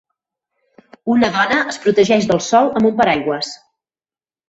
Una dona es protegeix del sol amb un paraigües.